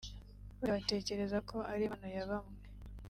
wenda batekereza ko ari impano ya bamwe